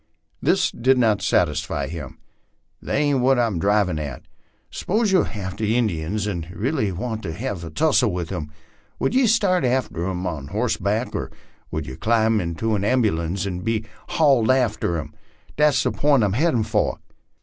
This did not satisfy him. " That ain't what I'm drivin' at. S'pose you're after Injuns and really want to hev a tussle with 'em, would ye start after 'em on hossback, or would ye climb into an ambulance and be haulded after 'em ? That's the pint I'm headin' fur."